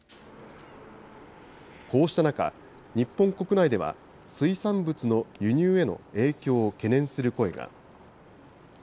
こうした中、日本国内では、水産物の輸入への影響を懸念する声が。